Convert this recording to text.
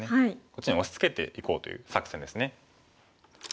こっちに押しつけていこうという作戦ですね。